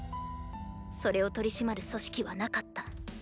それを取り締まる組織はなかった。